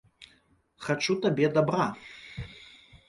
- Хачу табе дабра.